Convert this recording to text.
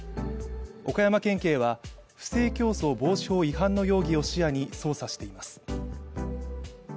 岡山県警は不正競争防止法違反の容疑を視野に捜査をしています。